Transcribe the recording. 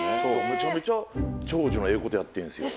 めちゃめちゃ長寿のええことやってるんすよ。